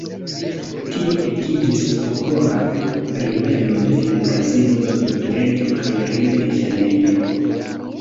Tio ekigis popolan ribelon en Brazila Nordoriento kaj Rio-de-Ĵanejrio.